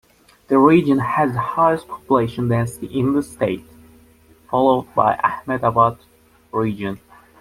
The region has the highest population density in the State, followed by Ahmedabad region.